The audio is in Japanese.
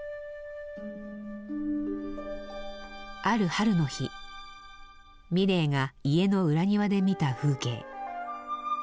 ある春の日ミレーが家の裏庭で見た風景。